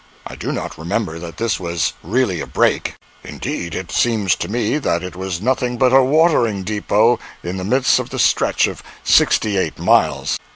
I do not remember that this was really a break; indeed it seems to me that it was nothing but a watering depot in the midst of the stretch of sixty eight miles.